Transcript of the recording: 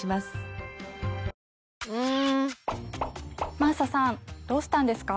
真麻さんどうしたんですか？